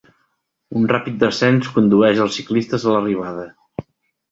Un ràpid descens condueix els ciclistes a l'arribada.